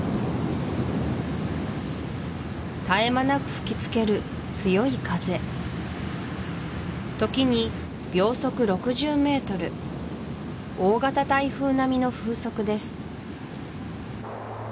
絶え間なく吹きつける強い風時に秒速６０メートル大型台風並みの風速です